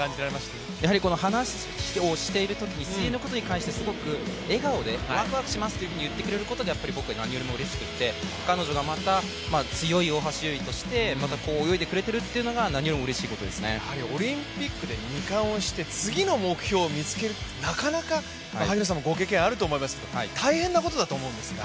話をしているときに水泳のことに関してすごく笑顔で、わくわくしますというふうに言ってくれることが僕は何よりもうれしくて、彼女がまた強い大橋悠依として泳いでくれるというのがオリンピックで２冠をして次の目標を見つける、なかなか、萩野さんもご経験あると思いますが大変ことだと思うんですが。